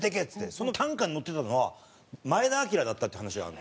その担架に乗ってたのは前田日明だったっていう話がある。